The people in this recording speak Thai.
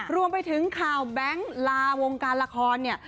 รวมไปถึงข่าวแบงค์ลาวงการละครเนี่ย